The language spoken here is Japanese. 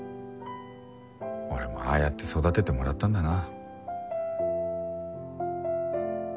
俺もああやって育ててもらったんだな。